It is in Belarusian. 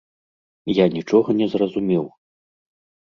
Я нічога не зразумеў.